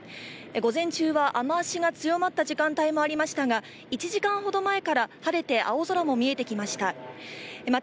午前中は雨足が強まった時間帯もありましたが１時間ほど前から晴れて青空も見えてきました。